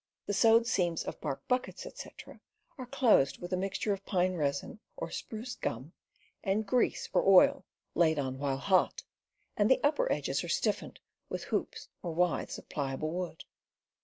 The sewed seams of bark buckets, etc., are closed with a mixture of pine resin or spruce "gum" and grease or oil, laid on while hot, and the upper edges are stiffened with hoops or withes of pliable wood.